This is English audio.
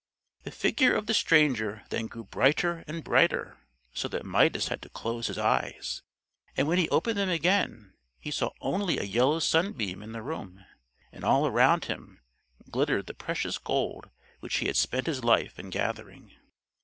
The figure of the stranger then grew brighter and brighter, so that Midas had to close his eyes, and when he opened them again he saw only a yellow sunbeam in the room, and all around him glittered the precious gold which he had spent his life in gathering.